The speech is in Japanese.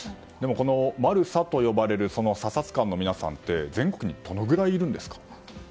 マルサと呼ばれる査察官の皆さんって全国にどのくらいいるんですか？